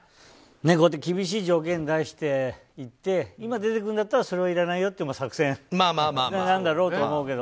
厳しい条件に対していって今出てくんだったらそれはいらないよっていう作戦なんだろうと思うけど。